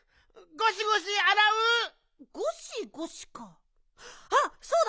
ゴシゴシかあっそうだ！